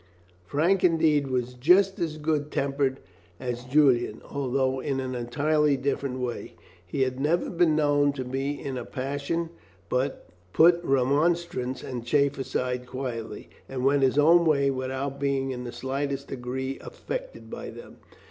Frank, indeed, was just as good tempered as Julian, although in an entirely different way. He had never been known to be in a passion, but put remonstrance and chaff aside quietly, and went his own way without being in the slightest degree affected by them.